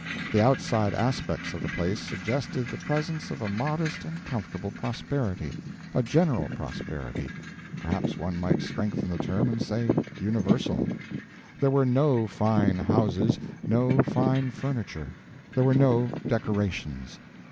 The outside aspects of the place suggested the presence of a modest and comfortable prosperity a general prosperity perhaps one might strengthen the term and say universal. There were no fine houses, no fine furniture. There were no decorations.